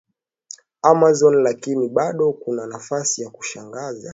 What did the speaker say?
Amazon lakini bado kuna nafasi ya kushangaza